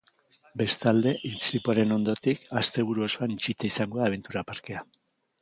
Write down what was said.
Bestalde, istripuaren ondotik, asteburu osoan itxita izango da abentura parkea.